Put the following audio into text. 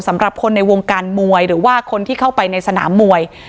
สำหรับคนในวงการมวยหรือว่าคนที่เข้าไปในสนามมวย